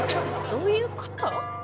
どういうこと？